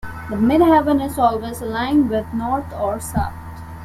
The Midheaven is always aligned with north or south.